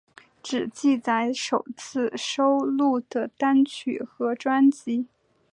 只记载首次收录的单曲和专辑。